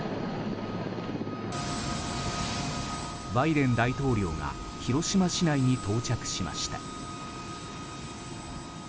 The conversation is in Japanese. バイデン大統領が広島市内に到着しました。